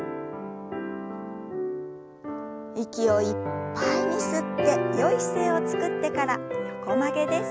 息をいっぱいに吸ってよい姿勢をつくってから横曲げです。